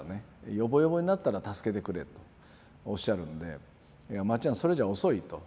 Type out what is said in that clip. ヨボヨボになったら助けてくれとおっしゃるんでいやまっちゃんそれじゃ遅いと。